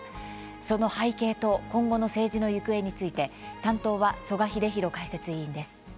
その背景と今後の政治の行方について担当は曽我英弘解説委員です。